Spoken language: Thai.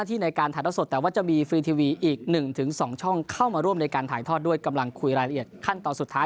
โทษทำดีสมยศกล้าเปลี่ยน